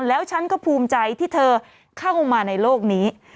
แล้วฉันก็ภูมิใจที่เธอเข้ามาในโลกนี้